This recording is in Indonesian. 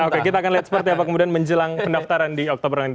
oke kita akan lihat seperti apa kemudian menjelang pendaftaran di oktober nanti